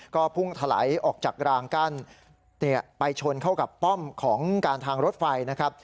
ก็พุ่งถลายออกจากรางกั้นไปชนเข้ากับป้อมของการทางรถไฟนะครับ